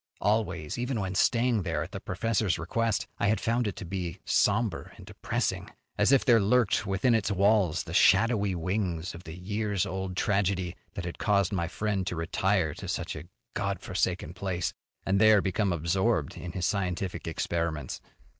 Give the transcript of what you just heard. Always, even when staying there at the professor's request, I had found it to be somber and depressing, as if there lurked within its walls the shadowy wings of the years old tragedy that had caused my friend to retire to such a God forsaken place, and there become absorbed in his scientific experiments.